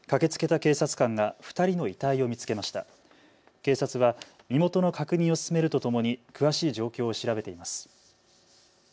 警察は身元の確認を進めるとともに詳しい状況を調べています。